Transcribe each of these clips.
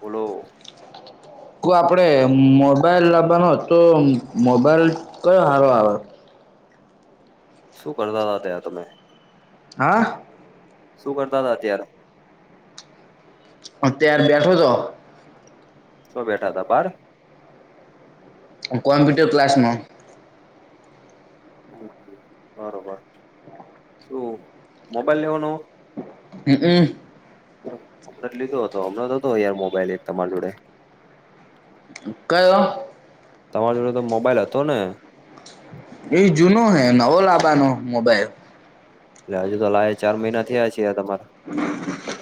બોલો કો આપડે મોબાઈલ લાવવાનો તો મોબાઈલ કયો હારો આવે? શું કરતા હતા ત તમે? હા. શું કરતા હતા અત્યારે? અત્ય્યારે બેઠો છ. શો બેઠા હતા બાર? કોમ્પ્યુટર ક્લાસ ન. હ બરોબર શું મોબાઈલ લેવાનો? હ હમ. હમણાં જ લીધો હતો હમણાં જ હતો યાર મોબાઈલ એક તમાર જોડે. કલો? તમારી જોડે તો મોબાઈલ હતો ને. એ જૂનો હૈ નવો લાબાનો મોબાઈલ. એટલે હજુ તો લા ચાર મહિના થયા છે તમારા.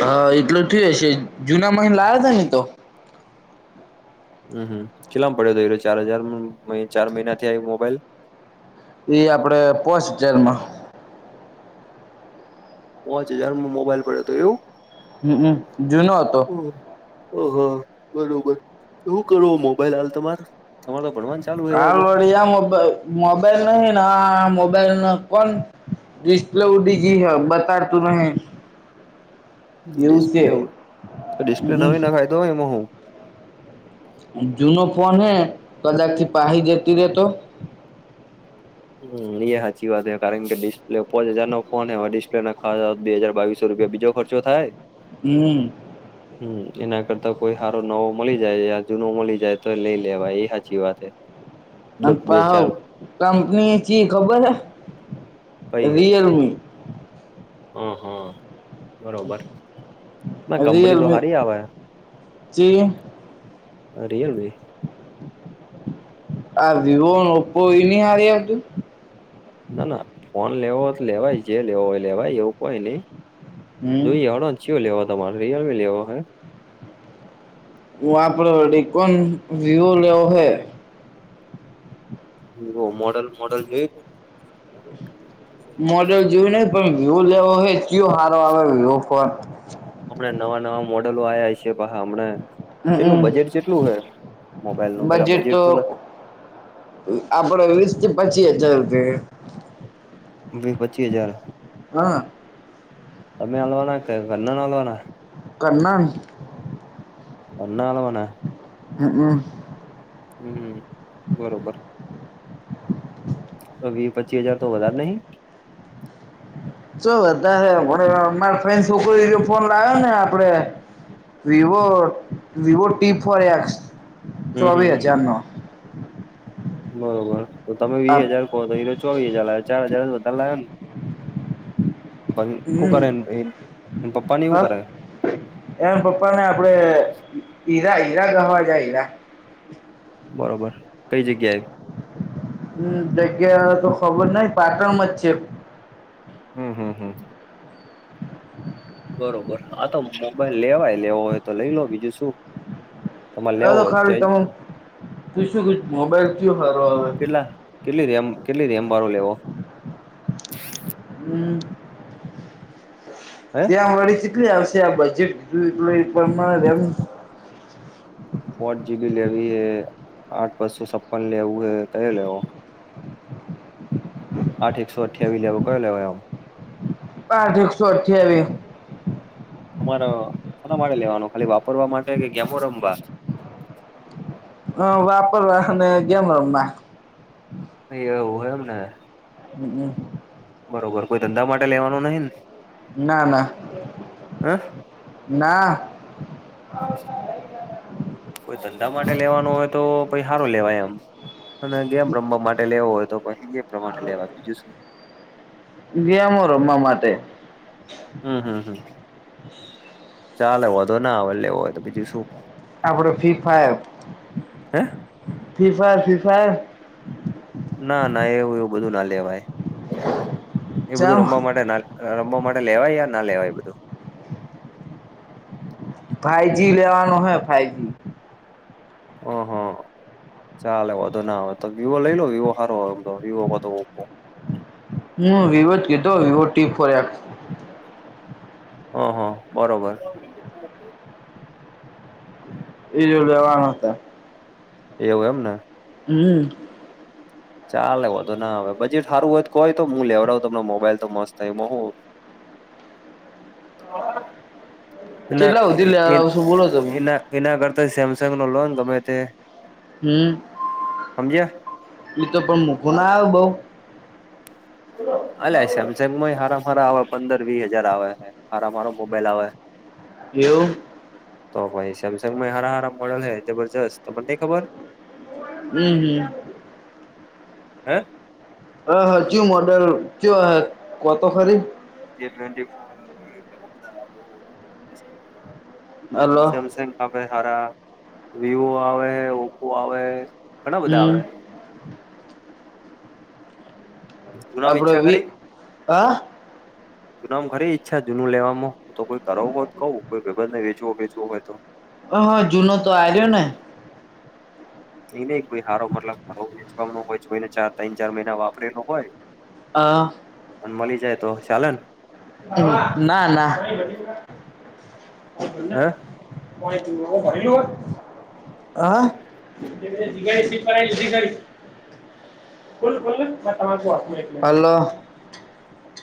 હા એટલ થઈ હશે જુના મહિ લાવયા હતા ને તો. હમ હમ કેટલામ પડ્યો હતો એ ચાર હજાર ચાર મહિનાથી આ મોબાઈલ. ઈ આપડે પોસ્ટ જેલમાં. પોચ હજાર મોબાઈલ પડ્યો હતો એવું. હમમ જૂનો હતો. ઓહ બરોબર શું કરું મોબાઈલ હાલ તમારે તમારે તો ભણવાનું છે. હા લોડિયા મોબાઈલ મોબાઈલ નહીિ ના મોબાઈલ કોણ રિ લ ઉડીજી હ બતા તું ન ડિસ્પ્લે તો ડિસ્પ્લે હમમ નવી નાખાયતો હોય એમાં હું. જૂનો ફોન હે કદાચ થી પાહી જેતી રેતો. હમ એ સાચી વાત હ કારણ કે ડિસ્પ્લે પોંચ હજાર નો ફોન હવે ડિસ્પ્લે ના બે હજાર બાવીસો રૂપિયા બીજો ખર્ચ. જો થાય. હમમ હમ એના કરતા કોઈ સારો નવો મળી જાય યા જૂનો મળી જાય તો લઇ લેવાય એ હાચી વાત- હે અને પ બે ચાર કંપની ચ ખબર હ કઈ હે રયલમી. હ હા. બરોબર ના કંપની તો રિયલમી સારી આવે. ચી રયલમી. હજ હ કોઈ ન આ ર અજુ? ના ના ફોન લેવો હોય તો લેવાય જે લેવો હોય લેવાય એવું કોઈ નઈ હમ જોઈએ હળો લેવો તમારે રયલમી લેવો હે? પડી કોન વિવો લેવો હૈ. મોડલ મોડલ જે મોડલ જોયું નહિ પણ વ્યુ લેવો હોય કયો સારો આવે વ્ય ફોન અમણે નવા નવા મોડલો આવ્યા છ છેએ પા હમં કેટલું હમ બજેટ જેટલું હ મોબાઈલ નું પેલા બજેટ તો અ આપડ વિસ થી પચી હજાર વીસ પચી હજાર હા તમે હાલવાના કે ઘરન હાલવાના ઘરનો ન. ઘરના આલવા હમ હમ હમ બરોબર તો વી પચીસ હજાર તો વધારે નહી? ચ વધારે મા ફન છોકરી ફોન લાવ્યો ને આપડે Vivo Vivo T four X હમ હમ ચોવીસ હમ હજારનો. બરોબર તો તમે વીસ હજાર કહો તો ઈરો ચોવીસ હજાર લાવ ચાર હજાર જ વધારે લાવે ને શું હમ કરે પપ્પા ની હુ કરે? એમ પપ્પા ને આપડે હીરા હીરા કહવા જાય હીરા. બરોબર કઈ જગ્યાએ? હમ જગ્યા તો ખબર નહ પાટણમાં જ છે. હમ હમ હમ બરોબર આા તો મોબાઈલ લેવાય લેવો હોય તો લઈ લો બીજું શું? તમારે હ લેવો તો હોય ખાલી તમન ક્યાંય શું મોબાઈલ થયો હારો આવે કેટલા કેટલી રેમ કેટલી રેમ વાળો લેવો? હમ હે ત્યાં વળી કેટલી આવશે આ બજેટ ટલું એટલું એ પણમ ફોર જીબી લેવી એ આઠ બસો છપ્પન લેવું એ કયો લેવો? આઠ એકસો અઠ્યાવી લેવો કયો લેવો એમ? પાઠ એકસો અઠ્યાવીસ. તમારે કોના માટે લેવાનું ખાલી વાપરવા માટે કે ગેમો રમવા? હ વાપરવા અને ગેમ રમવાવ એવું હો એમ ને હ હમ બરોબર કોઈ ધંધા માટે લેવાનું નહી ન? ના ના હ ના કોઈ ધંધા માટે લેવાનું હોય તો પ સારો લેવાય એમ. અને ગેમ રમવા માટે લેવો હોય તો પછી એ પ્રમાણે લેવા બીજું શું ગેમો રમવા માટે. હમ હમ હ ચાલે વધો ના આવે લેવો હોય તો બીજું શું. આપડ ફી ફાયર હે ફી ફાયર ફાયર ના ના એવું એવું બધું ના લેવાય એ બધું રમવા ચમ માટે ના રમવા માટે લેવાય યા ના લેવાય બધું. ફાઈવજી લેવાનો હે ફાઈવજી હ હ ચાલે વોધો ના આ વિવો લઈ લો વિવો હારો એમ વિવો ક ઓપો. હમ વિવો જ કીધો વિવો ટી ફોર- હ હા બરોબર એ જો લેવાનું હતા એવું એમને હમ ચાલે વધુ ના આવે બજેટ સારું હોય તો કોય તો હું લેવડાવ તમ મોબાઈલ તો મત થાય હું ના કેટલા સુધી એ લેવડાવશો બોલો તમે એના એના કરતા સેમસંગ નો લોન ગમે તે હમ સમજ્યા તો પણ મુખો ના આવ બઉ અલ સેમસંગમાં હાર મારા આવે પંદર વી હજાર આવે હાર મારો મોબાઈલ આવે એવું તો ભાઈ સેમસંગમાં હરા હરા મોડલ હૈ જબરજસ્ત તોમને ખબર હમ હમ હે હ હાજયુ મોડેલ કુ હ કોતો ખરી જે ટેવેન્ટી ફોર હવે ઘણા બધા આવે. ખાસા મોડેલ આવે, હલો સેમસેન્ગ આપે સારા વિવો આવે ઓપ્પો આવે ઘણા બધા હમ આવે જૂનામાં આપડે ઈચ્છા ખરી વી હા જૂનામાં ખરી ઈચ્છા જૂનું લેવામાં તો કોઈ કરાવું હો કઉ કોઈ ભાઈબંધ ને વેચવું બેચવું હોય તો. હ જૂનો તો આ્યો ને નઈ નહ કો સારો મતલબાર વેચવાનો હોય કોઈને ચાર ત્રણ ચાર મહિના વાપરેલો હોય હ અને મળની જાય તો ચાલન ના હે ના હ ી હલોો